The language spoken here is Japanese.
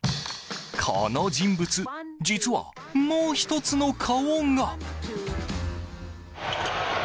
この人物実はもう１つの顔が。